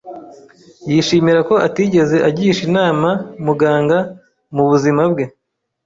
Yishimira ko atigeze agisha inama muganga mubuzima bwe.